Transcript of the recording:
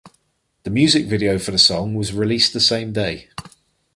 The music video for the song was released the same day.